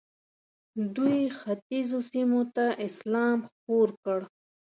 دوی ختیځو سیمو ته اسلام خپور کړ.